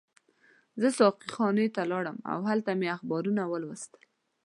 زه ساقي خانې ته لاړم او هلته مې اخبارونه ولوستل.